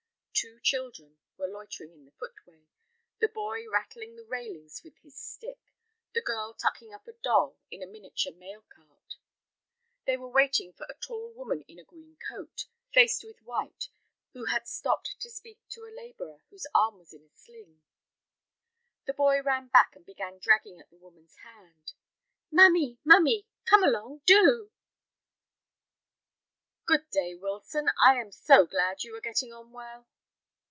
Two children were loitering on the footway, the boy rattling the railings with his stick, the girl tucking up a doll in a miniature mail cart. They were waiting for a tall woman in a green coat, faced with white, who had stopped to speak to a laborer whose arm was in a sling. The boy ran back and began dragging at the woman's hand. "Mummy, mummy, come along, do." "Good day, Wilson, I am so glad you are getting on well."